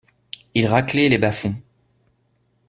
ils raclaient les bas-fonds